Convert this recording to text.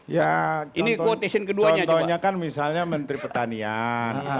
ya contohnya kan misalnya menteri petanian